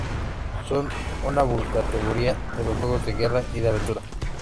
Son una subcategoría de los juegos de guerra y de aventura.